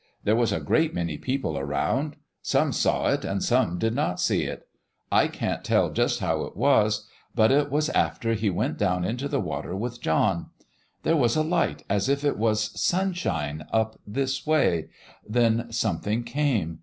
There was a great many people around; some saw it and some did not see it. I can't tell just how it was, but it was after He went down into the water with John. There was a light as if it was sunshine up this way; then something came.